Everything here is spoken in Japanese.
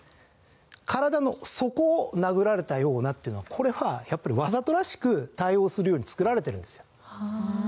「身体の底を殴られたような」っていうのはこれはやっぱりわざとらしく対応するように作られているんですよ。